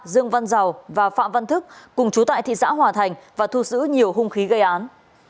dương văn giàu và phạm văn thức cùng chú tại thị xã hòa thành và thu giữ nhiều hung khí gây án